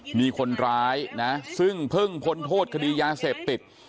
วันนี้คนร้ายนะซึ่งเพิ่งพลโฆษณ์คดียาเศษติด